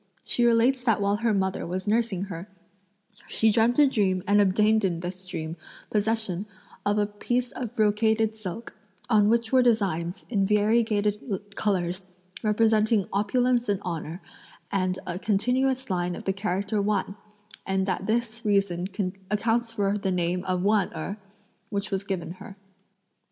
She relates that while her mother was nursing her, she dreamt a dream and obtained in this dream possession of a piece of brocaded silk, on which were designs, in variegated colours, representing opulence and honour, and a continuous line of the character Wan; and that this reason accounts for the name of Wan Erh, which was given her."